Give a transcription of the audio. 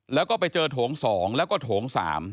แล้วก็ไปเจอโถง๒แล้วก็โถง๓